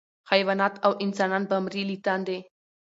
حیوانان او انسانان به مري له تندي